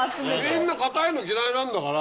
みんな硬いの嫌いなんだから。